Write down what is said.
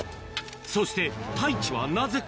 そして、太一はなぜか。